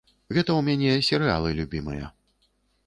Гэта ў мяне серыялы любімыя.